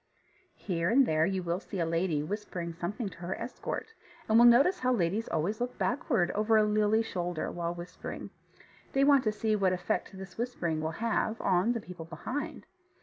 Here and there you will see a lady whispering something to her escort, and will notice how ladies always look backward over a lily shoulder while whispering. They want to see what effect this whispering will have on the people behind.